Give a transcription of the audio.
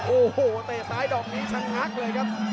โอ้โหเตะซ้ายดอกนี้ชะงักเลยครับ